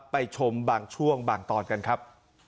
ไปชมบางช่วงบางตอนกันครับ